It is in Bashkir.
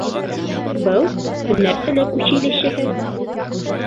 Был һөнәрселек училищеһе